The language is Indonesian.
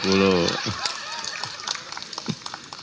enam puluh kurangi tiga puluh